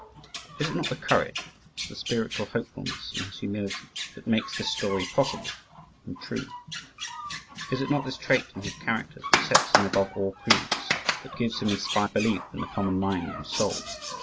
Is it not the courage the spiritual hopefulness in his humility that makes this story possible and true? Is it not this trait in his character that sets him above all creeds that gives him inspired belief in the common mind and soul?